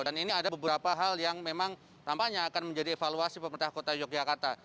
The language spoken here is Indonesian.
dan ini ada beberapa hal yang memang tampaknya akan menjadi evaluasi pemerintah kota yogyakarta